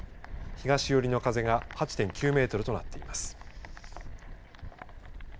東寄りの風が８．９メートルとなっています。